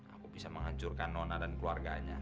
aku bisa menghancurkan nona dan keluarganya